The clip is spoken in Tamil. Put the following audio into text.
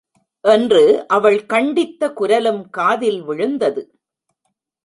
என்று அவள் கண்டித்த குரலும் காதில் விழுந்தது.